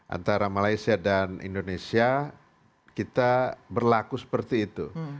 antara malaysia dan indonesia kita berlaku seperti itu